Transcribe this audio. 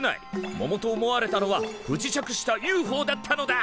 ももと思われたのは不時着したＵＦＯだったのだ！